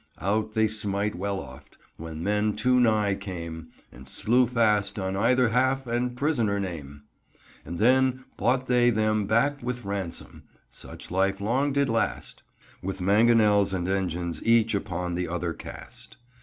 Out they smite well oft, when men too nigh came, And slew fast on either half and prisoners name; {272b} And then bought they them back with ransom. Such life long did last: With mangonels and engines each upon the other cast.